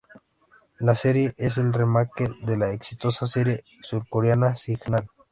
La serie es el remake de la exitosa serie surcoreana Signal.